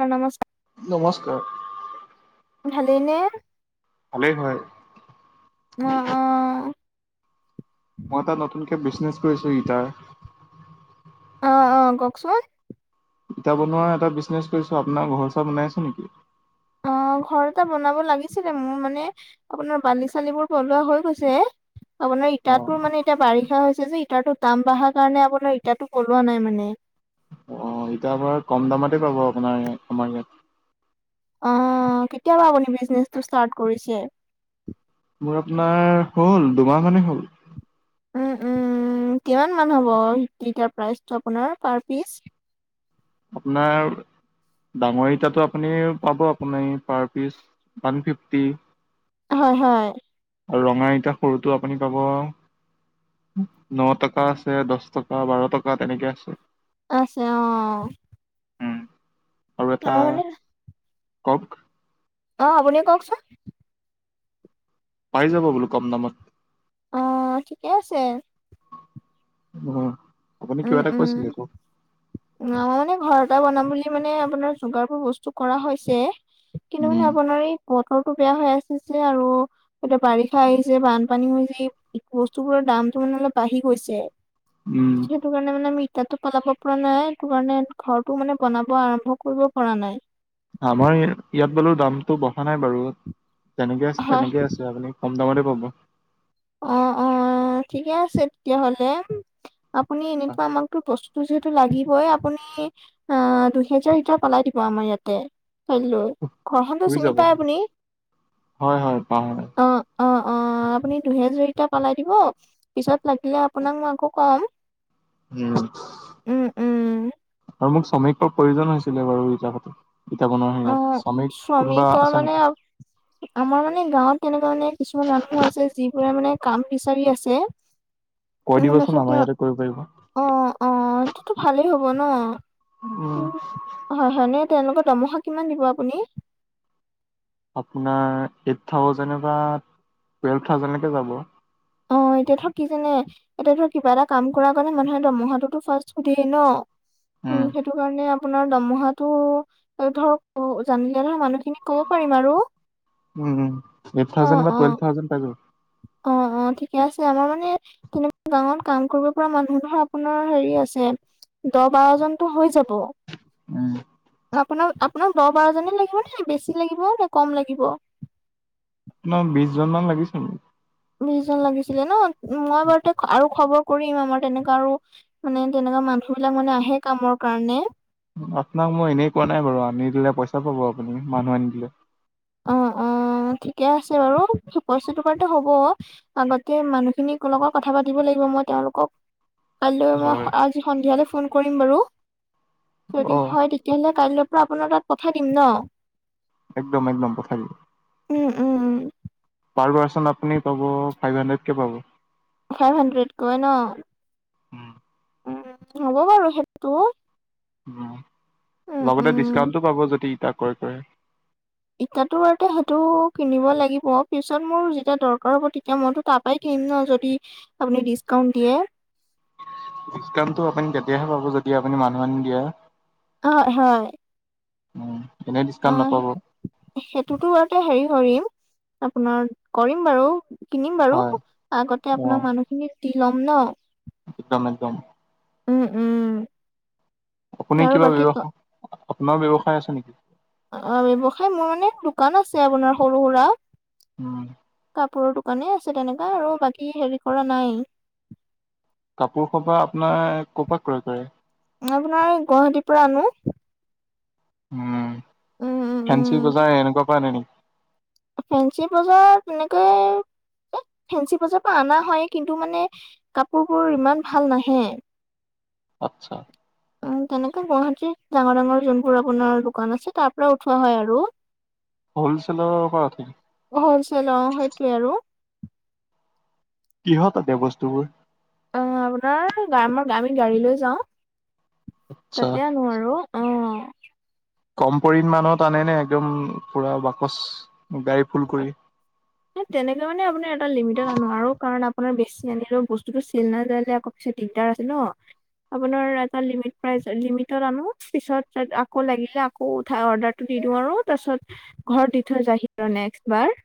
হয় নমস্কাৰ। নমস্কাৰ। ভালেই নে? ভালেই হয়। ম‌ অঁ' মই এটা নতুনকে বিজনেচ কৰিছো ইটাৰ। অঁ' অঁ' কওক চোন। ইটা বনোৱাৰ এটা বিজনেছ কৰিছো আপোনাৰ ঘৰ চৰ বনাই আছে নেকি? অঁ ঘৰ এটা বনাব লাগিছিলে মোৰ মানে আপোনাৰ বালি চালিবোৰ পেলোৱা হৈ গৈছে। আপোনাৰ ইটা অ তোৰ মানে- এতিয়া বাৰিষা হৈছে যে ইটাৰটো দাম বঢ়াৰ কাৰণে আপোনাৰ ইটাটো কৰোৱা নাই মানে। অঁ' ইটা বাৰু ইয়াত কম দামতে পাব আপোনাৰ ইয়াত আমাৰ ইয়াত। অঁ' কেতিয়াপা আপুনি বিজনেচটো ষ্টাৰট কৰিছে? মোৰ আপোনাৰ হ'ল দুমাহ মানেই হ'ল। উম উম' কিমান মান হ'ব ইটাৰ প্ৰাইচটো আপোনাৰ পাৰ পিচ? আপোনাৰ, ডাঙৰ ইটাটো আপুনি পাব আপুনি পাৰ পিচ ওৱান ফিফটি। হয়, হয়। ৰঙা ইতা সৰুটো আপুনি পাব- ন টকা আছে দছ টকা বাৰ টকা তেনেকে আছে। আছে অঁ'। উম, আৰু এটা মানে কক। অঁ আপুনি কওকচোন। পাৰি যাব বোলো কম দামত। অঁ ঠিকেই আছে। উম' আপুনি উম কিবা এটা উম কৈছিলে কক। আমাৰ মানে ঘৰ এটা বনাম বুলি মানে আপোনাৰ যোগাৰ বস্তু কৰা হৈছে। কিন্তু, মানে উম আপোনাৰ এই বতৰটো বেয়া হৈ আছিলে আৰু- এতিয়া বাৰিষা আহিছে বানপানী হৈছে বস্তুবোৰৰ দামটো মানে অলপ বাঢ়ি গৈছে। উম সেইটো কাৰণে মানে আমি ইটাটো পলাব পৰা নাই সেইটো কাৰণে ঘৰটো মানে বনাব আৰম্ভ কৰিব পৰা নাই। আমাৰ ইয়াত বোলো দামতো বঢ়া নাই বাৰু তেনেকে হয় তেনেকে আছে আপুনি। কম দামতে পাব। অ অ ঠিকে আছে তেতিয়াহ'লে আপুনি এনেতা আমাকতো বস্তুটো যিহেতু লাগিবই আপুনি অ দুহেজাৰ ইটাৰ পেলাই দিব আমাৰ ইয়াতে। হেল্ল' ঘৰখনতো হৈ চিনি যাব পায় আপুনি হয় হয় পাওঁ অ। অ অ আপুনি দুহেজাৰ ইটা পেলাই দিব পিছত লাগিলে আপোনাক মই আকৌ কম। উম উম উম আৰু মোক শ্ৰমিকৰ প্ৰয়োজন হৈছিলে বাৰু ইটা ঘাত ইটা বনোৱা অ সেয়াত শ্ৰমিক কোনোবা শ্ৰমিকৰ আছে মানে নেকি? আমাৰ মানে গাঁৱত তেনেকুৱা মানে কিছুমান মানুহ আছে যিবোৰে মানে কাম বিচাৰি আছে। [inaudible] কৈ দিবচোন তাৰপিছত আমাৰ তেওঁ ইয়াতে কৰিব পাৰিব। অ অ সেইতোটো ভালেই হ'ব ন উম। হয় হয় এনেই তেওঁলোকৰ দৰমহা কিমান দিব আপুনি? আপোনাৰ এইট থাউজেণ্ড বা টুৱেলভ থাউজেণ্ডলৈকে যাব। অ এতিয়া ধৰ কি জানে, এতিয়া ধৰ কিবা এটা কাম কৰ কাৰণে মানুহে দৰমহাটোতো ফাৰ্ষ্ট সুধেই ন। উ উম সেইটো কাৰণে আপোনাৰ দৰমহাটো ধৰক জানিলে ধৰ মানুহখিনি উম! উম! এইট অ থাউজেণ্ড বা অ টুৱেলভ থাউজেণ্ড পায় যাব। অ অ ঠিকে আছে আমাৰ মানে তেনেকুৱা গাঁৱত কাম কৰিব পৰা মানুহ ধৰ আপোনাৰ হেৰি আছে দহ বাৰ জনতো হৈ যাব আ উম আপোনাক আপোনাক দহ বাৰজনে লাগিব নে বেছি লাগিব নে কম লাগিব। মোক বিশজন মান লাগিছিল। বিশজন লাগিছিলে ন মই বাৰুতে আৰু খবৰ কৰিম আমাৰ তেনেকা আৰু মানে তেনেকা মানুহ বিলাক মানে আহে কামৰ কাৰণে। আপোনাক মই এনেই কোৱা নাই বাৰু আনি দিলে পইচা পাব আপুনি মানুহ আনি দিলে। অ অ ঠিকে আছে বাৰু পইছা বাৰু হ'ব। আগতে মানুহখিনিক লগত কথা পাতিব লাগিব মই তেওঁলোকক কাইলৈ হয় মই আজি সন্ধিয়ালৈ ফোন কৰিম বাৰু, যদি অ হয় তেতিয়াহলে কাই পোৱা আপোনাৰ তাত পঠাই দিম ন। একদম একদম পঠাই দিবা। উম উম উম পাৰ পাৰ্চন আপুনি পাব ফাইভ হাণ্ড্ৰেডকে পাব। ফাইভ হাণ্ড্ৰেড কৈ ন। উম হ'ব বাৰু সেইটো। উম, লগতে উম। ডিছকাউণ্টো পাব যদি ইটা ক কৰে। ইতাটো বতে সেইটো কিনিব লাগিব পিছত মোৰ যেতিয়া দৰকাৰ হ'ব তেতিয়া মইতো তাপ পাই কিম ন যদি আপুনি ডিছকাউণ্ট দিয়ে। ডিছকাউণ্টটো আপুনি তেতিয়াহে পাব যদি আপুনি মানুহ আনি দিয়ে। হয় হয়। উম! এনেই ডিছকাউণ্ট অ' নাপাব। সেইটোতো বাৰু হেৰি কৰিম, আপোনাৰ কৰিম বাৰু। কিনিম বাৰু, হয় আগতে অ', আপোনাৰ মানুহখিনিক দি ল'ম ন। একদম একদম। উম উম। আপুনি আৰু কিবা বাকী ব্যৱসায়, আপোনাৰ ব্যৱসায় আছে নেকি? অ ব্যৱসায় মোৰ মানে দোকান আছে আপোনাৰ সৰু সুৰা। উম। কাপোৰৰ দোকানে আছে তেনেকা আৰু বাকী হেৰি কৰা নাই। কাপোৰ সপা আপোনাৰ ক' পৰাক ক্ৰয় কৰে? মই আপোনাৰ এই গুৱাহাটীৰ পৰা আনো। উম, উম উম উম ফেঞ্চি বজাই এনেকুৱা কৰা নাই নেকি? ফেঞ্চি বজাৰ এনেকৈ, ফেঞ্চি বজাৰ পৰা অনা হয় কিন্তু মানে- কাপোৰবোৰ ইমান ভাল নাহে। আচ্ছা। তেনেকে গুৱাহাটী ডাঙৰ ডাঙৰ যোনবোৰ আপোনাৰ দোকান আছে তাৰ পৰা উঠোৱা হয় আৰু। হ'লছেলৰ হয় থিক। হলচেল অ সেইটোৱে আৰু। কিহত আনে বস্তুবোৰ? অ আপোনাৰ আমাৰ আমি গাড়ী লৈ যাও, আচ্ছা তাতে আনো আৰু। অ কম পৰিমানত আনেনে একদম পুৰা বাকচ গাড়ী ফুল কৰি? তেনেকে মানে আপোনাৰ এটা লিমিটত আনো আৰু কাৰণ আপোনাৰ বেছি আনিলে বস্তুটো চছিল নায আকৌ- দিগদাৰ আছে ন। আপোনাৰ এটা লিমিট প্ৰাই লিমিটত আনো পিছত আকৌ লাগিলে- আকৌ উঠাই অৰ্ডাৰটো দি দিওঁ আৰু তাৰপিছত ঘৰত দি থৈ যায়হি আৰু নেক্সট বাৰ।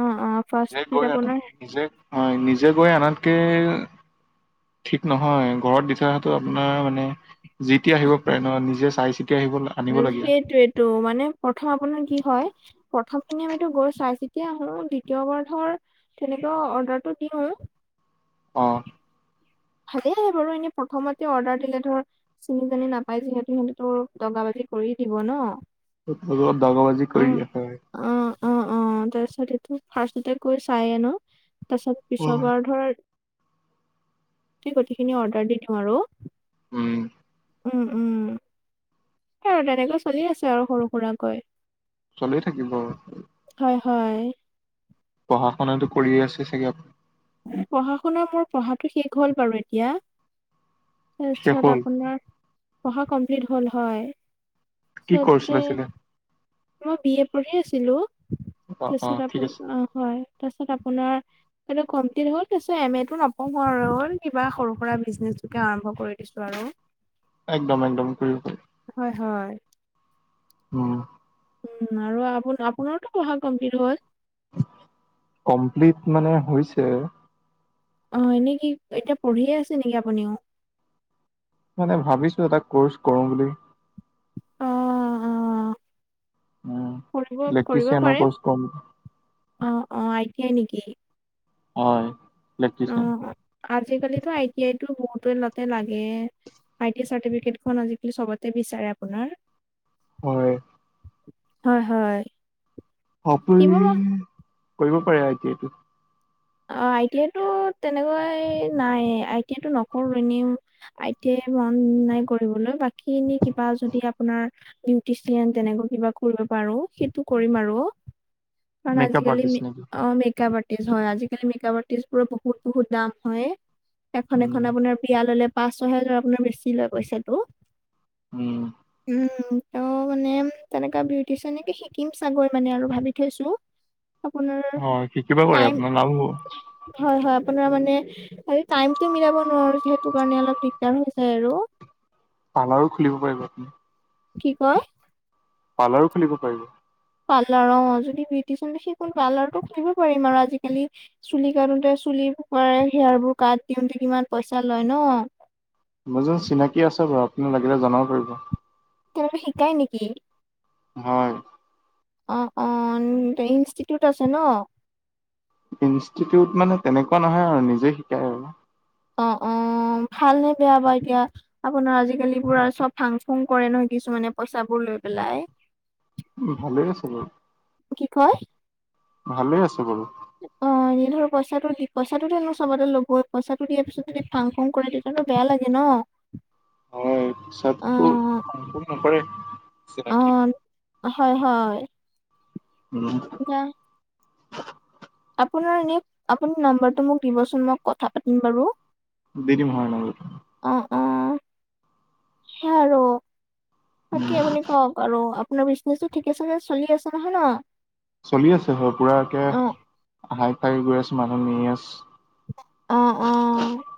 অ অ নিজেই ফাৰ্ষ্ট গৈ আপোনাৰ নিজে- হয় নিজে গৈ আনাতকে- ঠিক নহয় ঘৰত দি থাৰটো আপোনাৰ মানে- জিতি আহিব পাৰে ন নিজে চাই চিতি আহিব লাগে। আনিব সেইটোয়েতটো মানে প্ৰথম আপোনাৰ কি হয়। প্ৰথম খিনি আমিতো গৈ চাই চিতি আহো দ্বিতীয়বাৰ ধৰ তেনেকুৱা অৰ্ডাৰটো দিও। অহ। ভালে আহে বাৰু এনে প্ৰথমতে অৰ্ডাৰ দিলে ধৰ- চিনি জানি নাপাই যিহেতু সিহঁতেতো দগা বাজি কৰি দিব ন'। ত দগ বাজি অ কৰি দিয়ে হয়। অ', অ', অ', তাৰপিছত এইটো ফাৰ্ষ্টতে কৈ চায়ে আনো। তাৰপিছত পিছৰবাৰ ধৰ- গোটেইখিনি অৰ্ডাৰ দি দিও আৰু। উম। উম উম। সেই আৰু তেনেকে চলি আছে আৰু সৰু সুৰাকৈ। চলি থাকিব আৰু। হয় হয়। পঢ়া শুনাতো কৰিয়ে আছে চাগে আপুনি? পঢ়া শুনানা মোৰ পঢ়াটো শেষ হ'ল বাৰু এতিয়া। শেষ তাৰপিছত হ'ল আপোনাৰ, পঢ়া কমপ্লিট হ'ল হয়। কি কৌৰ্চ পিছতে লৈছিলে? মই বি এ পঢ়ি আছিলো। অ অ তাৰপিছত ঠিক আপোন আছে অ' হয়, তাৰপিছত আপোনাৰ এইটো কমপ্লিট হ'ল তাৰপিছত এম এ টো নপঢ়ো আৰু কিবা সৰু সুৰা বিজনেছকে আৰম্ভ কৰি দিছো আৰু। [inaudible] একদম একদম কৰিম কৰিম। হয়, হয়। উম। উম, আৰু আপো আপোনাৰোতো পঢ়া কমপ্লিট হ'ল? কমপ্লিট মানে হৈছে। অ', এনে কি এতিয়া পঢ়িয়ে আছে নেকি আপুনিও? মানে ভাবিছো এটা কৌৰ্চ কৰো বুলি। অ', অ'। উম কৰিব কৰিব ইলেক্ট্ৰিচিয়ানৰ পাৰে, কৰ্চ কৰিম অ' অ' আই টি আই নেকি? হয়, ইলেকট্ৰিচিয়ান। আজিকালিো আই টি আইতো বহুতলতে লাগে। আই টি চাৰ্টিফিকেট আজিকালি চবতে বিচাৰে আপোনাৰ। হয়। হয়, হয়। শিকিব আপুনি মই কৰিব পাৰে আই টি আইটো। অ', আই টি আইটো তেনেকুৱাই নাই আই টি আই টো নকৰো এনেও আই টি আই মন নাই কৰিবলৈ বাকী এনে কিবা যদি আপোনাৰ বিউটিচিয়ান তেনেকা কিবা কৰিব পাৰো সেইটো কৰিম আৰু। কাৰণ মেকআপ আজিকালি আৰ্টিষ্ট নেকি? অ' মেকআপ আৰ্টিষ্ট হয়। আজি কালি মেকআপ আৰ্টিষ্টবোৰৰ বহুত বহুত দাম হয়। এখন উম, এখন আপোনাৰ বিয়া ল'লে পাঁচ ছয় হেজাৰ আপোনাৰ বেছি লয় পইচাটো। উম। উম, ত' মানে ম তেনেকা বিউটিচিয়ানে শিকিম চাগৈ মানে আৰু ভাবি থৈছো। আপোনাৰ অ', শিকিব পাৰে টাইম আপোনাৰ লাভ হ'ব। হয়, হয়, আপোনাৰ মানে খালী টাইমটো মিলাব নোৱাৰো যিহেতু কাৰণে অলপ দিগদাৰ হৈ যায় আৰু। পাৰ্লাৰো খুলিব পাৰিব আপুনি। কি কয়? পাৰ্লাৰো খুলিব পাৰিব। পাৰ্লাৰ অ' যদি বিউটিচ শিকো পাৰ্লাৰটো খুলিব পাৰিম আৰু আজিকালি চুলি কাটোতে চুলিবোৰ কৰাই হেয়াৰবোৰ কাট দিওঁতে কিমান পইচা লয় ন'। মোৰ যে চিনাকি আছে বাৰু আপুনি লাগিলে জনাব পাৰিব। তেনেকুৱা শিকাই নেকি? হয়। অ', অ', ইনষ্টিটিউট আছে ন? ইনষ্টিউট মানে তেনেকুৱা নহয় আৰু নিজে শিকাই আৰু। অ', অ', ভালনে বেয়া বাৰু এতিয়া? আপোনাৰ আজিকালিবোৰ আৰু চব ফাং ফুং কৰে নহয় কিছুমানে পইচাবোৰ লৈ পেলাই। উম, ভালেই আছে বাৰু। কি কয়? ভালেই আছে বাৰু। অঁ! [inaudible] এনে ধৰ পইচাটো দি, পইচাটো এনেও চবতে ল'বই, পইচাটো দিয়াৰ পিছত যদি ফাং ফুং কৰে, তেতিয়াটো বেয়া লাগে ন'। [inaudible] [inaudible] হয় হিচাপতো অ', ফাং ফুং নকৰে। চিনাকি [inaudible] হয়-হয়। [inaudible] উম [inaudible] এ [inaudible] আপোনাৰ এনে আপুনি নাম্বাৰটো মোক দিবচোন মই কথা পাতিম বাৰু। [inaudible] দি দিম [unintelligible] আৰু অঁ-অঁ! [inaudible] সেয়া আৰু। বাকী উম, আপুনি কওক আৰু? [inaudible] আপোনাৰ বিজনেছটো ঠিকে চাগে চলি আছে নহয় ন? [unintelligible] চলি আছে হয়। পুৰা একে অ', হাই ফাই গৈ আছে মানুহ নি আছ [inaudible] অঁ-অঁ [inaudible]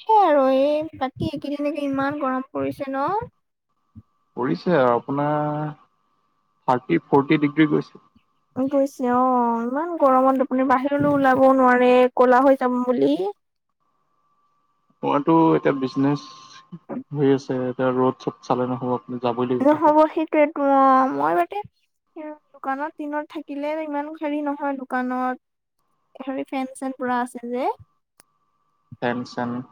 সেই আৰু এই বাকী এইকেইদিন একে ইমান গৰম পৰিছে ন? [inaudible] পৰিছে আৰু আপোনাৰ থাৰ্টি ফৰ্টি ডিগ্ৰী গৈছে। [inaudible] গৈছে অ‍ঁ ইমান গৰমত আপুনি বাহিৰলৈ ওলাবও নোৱাৰে, ক'লা হৈ যাম বুলি। [inaudible] মোৰটো এতিয়া বিজনেছ হৈ আছে। এতিয়া ৰ'দ-চড চালে নহ'ব। [unintelligible] লাগিব বাহিৰত নহ'ব সেইটোৱেইতো অঁ মই মানে [unintelligible] [inaudible] দোকানত দিনত থাকিলে ইমান হেৰি নহয় দোকানত। হেৰি ফেন-চেন পুৰা আছে যে। [unintelligible] ফেন-চেন। [inaudible]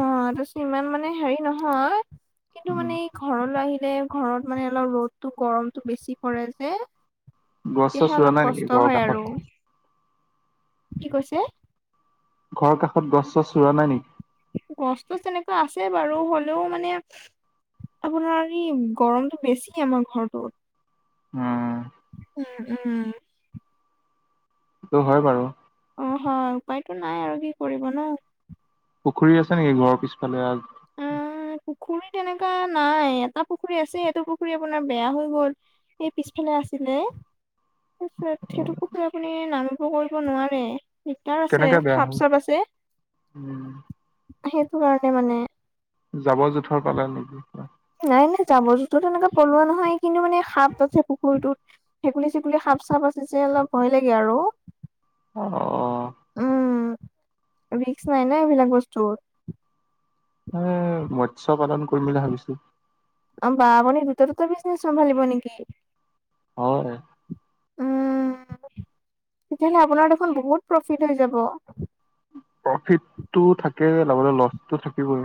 অঁ! তাৰপিছত ইমান মানে হেৰি নহয় কিন্তু উম, মানে এই ঘৰলৈ আহিলে। [inaudible] ঘৰত মানে অলপ ৰ'দতো গৰমটো বেছি পৰে যে [unintelligible] গছ চছ তেতিয়াহে ৰোৱা অলপ নাই নেকি কষ্ট ঘৰৰ হয় কাষত আৰু। কি কৈছে? [inaudible] ঘৰৰ কাষত গছ-চছ ৰোৱা নাই নেকি? [inaudible] গছতো তেনেকৈ আছে বাৰু হ'লেও মানে [inaudible] আপোনাৰ এই গৰমটো বেছি আমাৰ ঘৰটোত। [unintelligible] উম! [inaudible] উম-উম [inaudible] সেইটো হয় বাৰু। [inaudible] অঁ হয় উপায়তো নাই আৰু কি কৰিব ন। [inaudible] পুখুৰী আছে নেকি ঘৰৰ পিছফালে? আহ, [unintelligible] পুখুৰী তেনেকা নাই। এটা পুখুৰী আছে এইটো পুখুৰী আপোনাৰ বেয়া হৈ গ'ল। [unintelligible] এই পিছফালে আছিলে। [inaudible] তাৰপিছত সেইটো পুখুৰী আপুনি নামিব কৰিব নোৱাৰে। [inaudible] দিগদাৰ আছে কেনেকে বেয়া হ'ল সাপ-চাপ আছে উম সেইটো কাৰণে মানে। [inaudible] জাবৰ-জোথৰ পেলাই নাই? [unintelligible] নাই-নাই, জাবৰ-জোথৰ এনেকে পেলোৱা নহয় কিন্তু মানে সাপ আছে পুখুৰীটোত। [inaudible] ভেকুলী-চেকুলি, সাপ-চাপ আছে যে অলপ ভয় লাগে আৰু। [unintelligible] অ [inaudible] উম! ৰিক্স নাই ন এইবিলাক বস্তুত। [inaudible] উম! মৎস্য পালন কৰিম বুলি ভাবিছোঁ। [unintelligible] [inaudible] মানে দুটা-দুটা বিজনেছ চম্ভালিব নেকি? [unintelligible] হয়। [unintelligible] উ তেতিয়াহলে আপোনাৰ দেখোন বহুত প্ৰফিট হৈ যাব প্ৰফিটটো থাকে, লগতে লছটো থাকিবই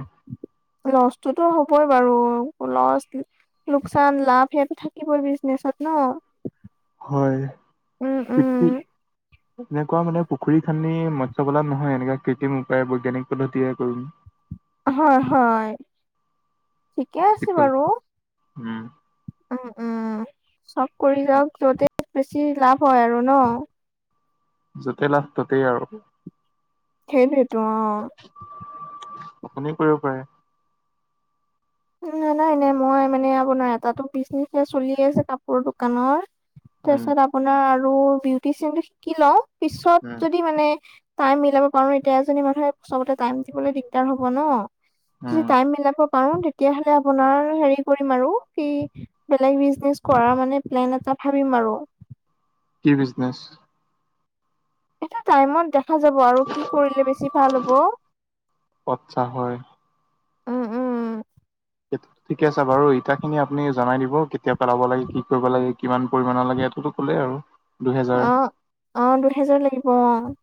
লছটোতো হ'বই বাৰু লছ লোকচান, লাভ, সেইটো থাকিবই বিজনেচত, ন। হয় উম উম [unintelligible] এনেকুৱা মানে পুখুৰী খান্দি মৎস্য পালন নহয়, এনেকা কৃত্ৰিম উপায় বৈজ্ঞানিক পদ্ধতিয়ে কৰিম। হয, হয, ঠিকে আছে টিকল বাৰু। উম। উম, উম, চব কৰি যাওক যতে বেছি লাভ হয় আৰু ন য'তেই লাভ ততেই আৰু সেইটোৱেটো, অ'। আপুনি কৰিব পাৰে নাই, নাই, মই মানে আপোনাৰ এটাটো বিজনেচহে, চলি আছে কাপোৰ দোকানৰ। তাৰ উম। পিছত আপোনাৰ আৰু, বিউটিচিয়ানটো শিকি লও উম। পিছত যদি মানে টাইম মিলাব পাৰো, এতিয়া এজনী মানুহে চবতে টাইম দিবলৈ দিগদাৰ হব ন। যদি উম টাইম মিলাব পাৰো, তেতিয়া হলে আপোনাৰ হেৰি কৰিম আৰু, কি বেলেগ বিজনেচ কৰা মানে প্লেন এটা ভাবিম আৰু। কি বিজনেছ? এটা টাইমত দেখ দেখা যাব আৰু কি কৰিলে বেছি ভাল হ'ব। ক'ত চাহ হয়। উম উম। ঠিকে আছে বাৰু ইটি খিনি আপুনি জনাই দিব কেতিয়া পেলাব লাগে কি কৰিব লাগে কিমান পৰিমাণৰ লাগে এইটোতো হ'লে আৰু। দুহেজাৰ অ', অ ', দুহেজাৰ লৈকে কৰো আৰু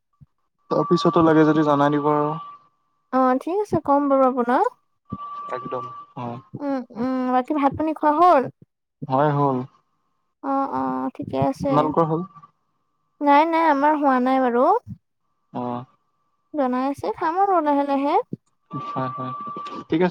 ত পিছতো লাগে যদি জনাই দিব আৰু অ', ঠিক আছে ক'ম বাৰু আপোনাক। একদম, অ'। উম, উম, বাকী ভাত পানী খোৱা হ'ল? হয়, হ'ল। অ', অ', ঠিকে আছে, আপোনালোকৰ হ'ল নাই, নাই, আমাৰ হোৱা নাই বাৰু অ'। বনাই আছে, খাম আৰু লাহে লাহে। হয়, হয়, ঠিক আছে